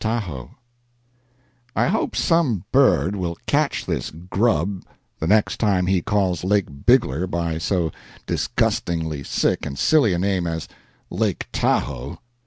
TAHOE I hope some bird will catch this Grub the next time he calls Lake Bigler by so disgustingly sick and silly a name as "Lake Tahoe."